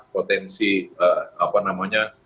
potensi apa namanya